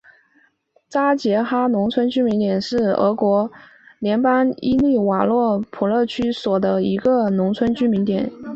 扎捷伊哈农村居民点是俄罗斯联邦伊万诺沃州普切日区所属的一个农村居民点。